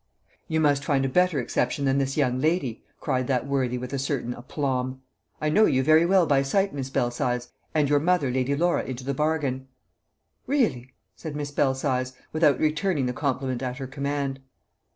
"You must find a better exception than this young lady!" cried that worthy with a certain aplomb. "I know you very well by sight, Miss Belsize, and your mother, Lady Laura, into the bargain." "Really?" said Miss Belsize, without returning the compliment at her command.